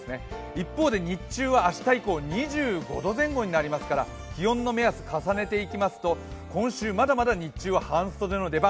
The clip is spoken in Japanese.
一方で日中は明日以降、２５度前後になりますから気温の目安を重ねていきますと今週まだまだ日中は半袖の出番。